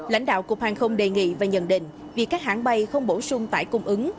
lãnh đạo cục hàng không đề nghị và nhận định vì các hãng bay không bổ sung tải cung ứng